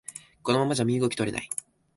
このままじゃ身動き取れない